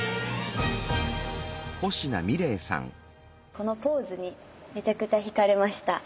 このポーズにめちゃくちゃひかれました。